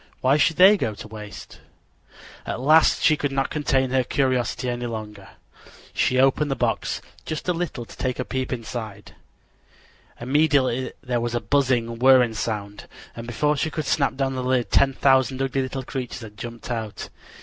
Why should they go to waste? At last she could not contain her curiosity any longer. She opened the box just a little to take a peep inside. Immediately there was a buzzing, whirring sound, and before she could snap down the lid ten thousand ugly little creatures had jumped out.